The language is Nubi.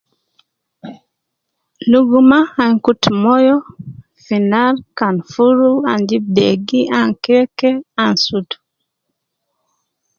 Luguma an kutu moyo fi nar, kan furu an jib degi an kei kei an sutu